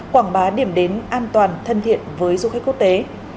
quảng bá điểm đến an toàn thân thiện với du khách quốc tế